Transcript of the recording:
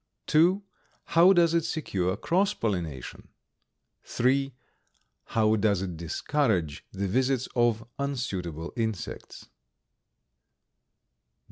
(2) How does it secure cross pollination?; (3) How does it discourage the visits of unsuitable insects?